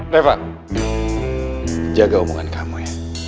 leva jaga omongan kamu ya